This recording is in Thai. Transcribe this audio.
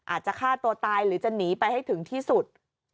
ฆ่าตัวตายหรือจะหนีไปให้ถึงที่สุด